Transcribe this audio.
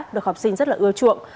được học sinh rất là ưa chuộng